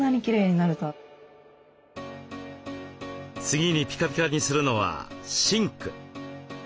次にピカピカにするのはシンク。